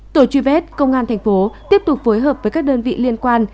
tổ truy vết công an thành phố tiếp tục phối hợp với các đơn vị liên quan